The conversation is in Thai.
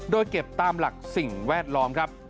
โดยเก็บตามหลักสิ่งแวดล้อมครับ